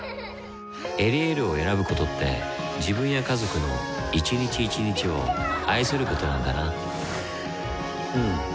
「エリエール」を選ぶことって自分や家族の一日一日を愛することなんだなうん。